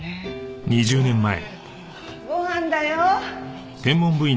ご飯だよ。